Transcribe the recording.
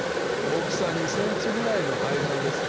大きさ２ｃｍぐらいの肺がんです。